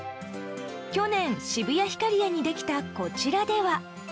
去年、渋谷ヒカリエにできたこちらでは。